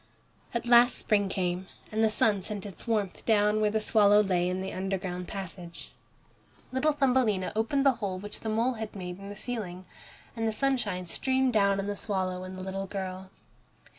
At last spring came, and the sun sent its warmth down where the swallow lay in the underground passage. Little Thumbelina opened the hole which the mole had made in the ceiling, and the sunshine streamed down on the swallow and the little girl.